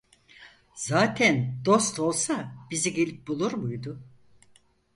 Zaten dost olsa bizi gelip bulur muydu?